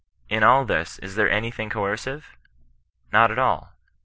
In all this, is there anything coercive % Not at all.